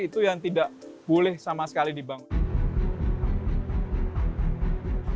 itu yang tidak boleh sama sekali dibangun